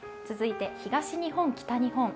続いて東日本、北日本。